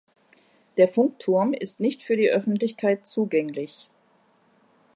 Der Funkturm ist nicht für die Öffentlichkeit zugänglich.